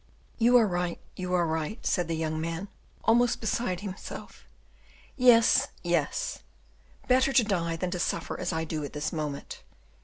"You are right, you are right," said the young man, almost beside himself. "Yes, yes; better to die, than to suffer as I do at this moment."